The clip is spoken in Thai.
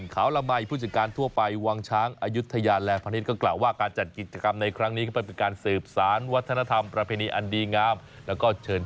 คุณผู้ชมส่งไลน์มาบอกว่าคุณชนะเต็มจอเลย